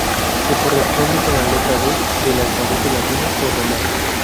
Se corresponde con la letra D del alfabeto latino o romano.